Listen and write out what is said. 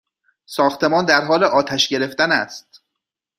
ساختمان در حال آتش گرفتن است!